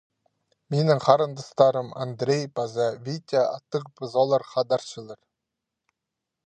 Минің харындастарым Андрей паза Витя аттығ пызолар хадарчалар.